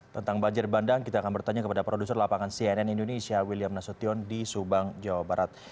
tentang banjir bandang kita akan bertanya kepada produser lapangan cnn indonesia william nasution di subang jawa barat